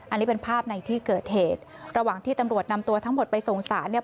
อันนี้เป็นภาพในที่เกิดเหตุระหว่างที่ตำรวจนำตัวทั้งหมดไปส่งสารเนี่ย